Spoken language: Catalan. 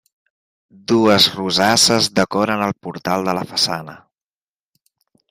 Dues rosasses decoren el portal de la façana.